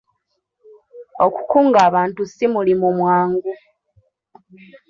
Okukunga abantu si mulimu mwangu.